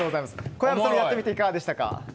小籔さんやってみていかがでしたか。